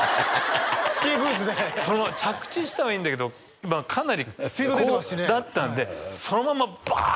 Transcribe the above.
スキーブーツでそのまま着地したはいいんだけどかなりこうだったんでそのままバー